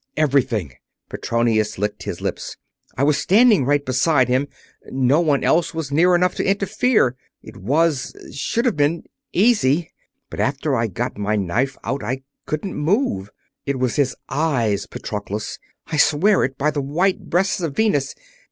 "Everything." Petronius licked his lips. "I was standing right beside him. No one else was near enough to interfere. It was should have been easy. But after I got my knife out I couldn't move. It was his eyes, Patroclus I swear it, by the white breasts of Venus!